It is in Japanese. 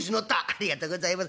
「ありがとうございます。